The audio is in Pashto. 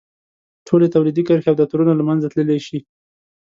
ټولې تولیدي کرښې او دفترونه له منځه تللی شي.